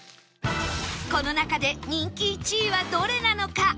この中で人気１位はどれなのか？